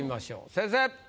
先生！